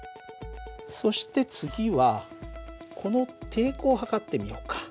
そして次はこの抵抗を測ってみようか。